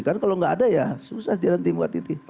kan kalau enggak ada ya susah jalan tim kat titik